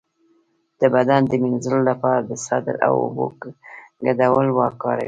د بدن د مینځلو لپاره د سدر او اوبو ګډول وکاروئ